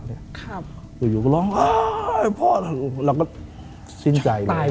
ช็อกตายไปเลย